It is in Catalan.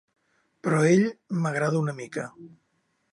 Però ell m'agrada una mica.